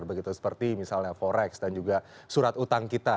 begitu seperti misalnya forex dan juga surat utang kita